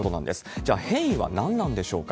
じゃあ、変異は何なんでしょうか？